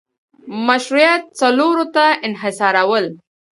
مشروعیت څلورو ته انحصارول